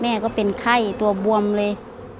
ก็เป็นไข้ตัวบวมเลย